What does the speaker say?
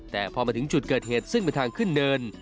แต่พอมาถึงจุดเกิดเหตุซึ่งเป็นทางขึ้นเนิน